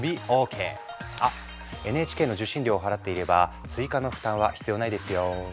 あＮＨＫの受信料を払っていれば追加の負担は必要ないですよ。